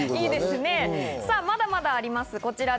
まだまだあります。